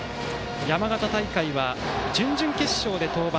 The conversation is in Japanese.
山形大会は準々決勝で登板。